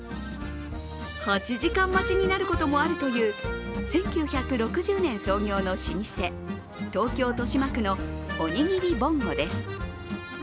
８時間待ちになることもあるという１９６０年創業の老舗、東京・豊島区のおにぎりぼんごです。